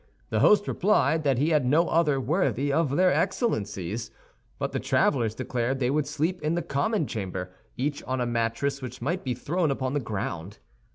The host replied that he had no other worthy of their Excellencies; but the travelers declared they would sleep in the common chamber, each on a mattress which might be thrown upon the ground.